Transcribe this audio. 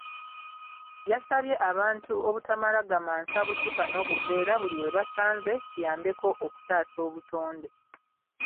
Yasabye abantu obutamala gamansa bucupa n’obuveera buli we basanze kiyambeko okutaasa obutonde.